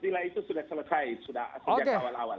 istilah itu sudah selesai sudah sejak awal awal